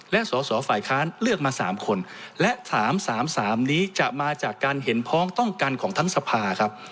และสอสอฝ่ายค้านเลือกมา๓คนและ๓๓นี้จะมาจากการเห็นพ้องต้องกันของทั้งสภาครับ